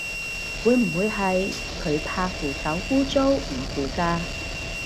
會唔會係佢怕扶手污糟唔扶咋